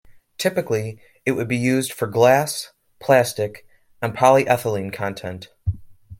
Typically, it would be used for glass, plastic or polyethylene content.